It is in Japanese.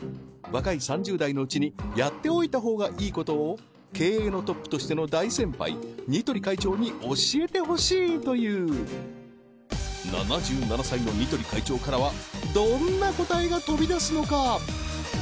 若い３０代のうちにやっておいた方がいいことを経営のトップとしての大先輩似鳥会長に教えてほしいという７７歳の似鳥会長からはどんな答えが飛び出すのか？